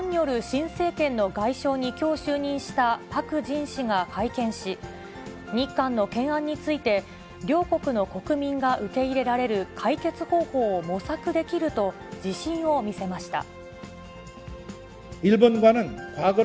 新政権の外相にきょう就任したパク・ジン氏が会見し、日韓の懸案について、両国の国民が受け入れられる解決方法を模索できると、自信を見せました。